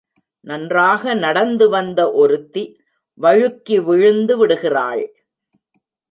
நன்றாக நடந்து வந்த ஒருத்தி வழுக்கி விழுந்து விடுகிறாள்.